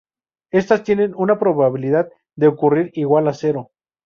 Estas tienen una probabilidad de ocurrir igual a cero.